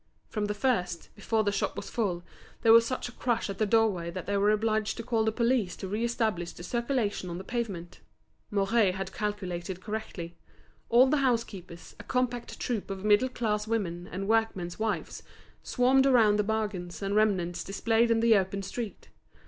From the first, before the shop was full, there was such a crush at the doorway that they were obliged to call the police to re establish the circulation on the pavement. Mouret had calculated correctly; all the housekeepers, a compact troop of middle class women and workmen's wives, swarmed around the bargains and remnants displayed in the open street.